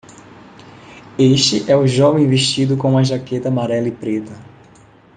Este é o jovem vestido com uma jaqueta amarela e preta